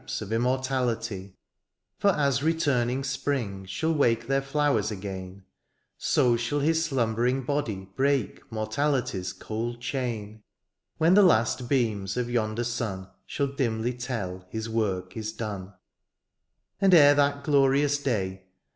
1^^ For as retaming spring Shall wake their flowers again^ So shall his slumbering body break Mortalily's cold chain ; When the last beams of yonder son Shall dimly tell his work is done. And ere that glorious day.